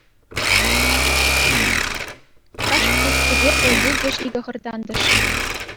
Каҫ пулттипе тӗл пулчӗҫ икӗ хӗр тантӑш.